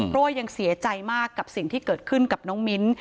เพราะว่ายังเสียใจมากกับสิ่งที่เกิดขึ้นกับน้องมิ้น